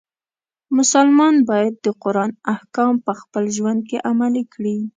مسلمان باید د قرآن احکام په خپل ژوند کې عملی کړي.